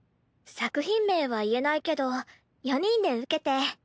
作品名は言えないけど４人で受けて。